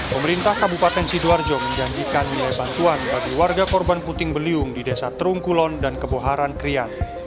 pemerintah kabupaten sidoarjo menjanjikan nilai bantuan bagi warga korban puting beliung di desa terungkulon dan keboharan krian